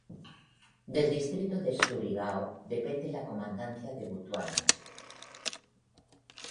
Del distrito de Surigao depende la comandancia de Butuan.